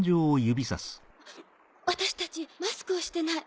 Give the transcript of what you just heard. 私たちマスクをしてない！